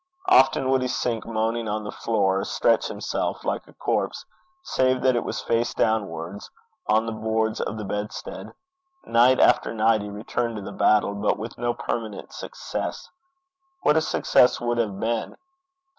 Often would he sink moaning on the floor, or stretch himself like a corpse, save that it was face downwards, on the boards of the bedstead. Night after night he returned to the battle, but with no permanent success. What a success that would have been!